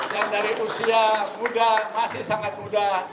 yang dari usia muda masih sangat muda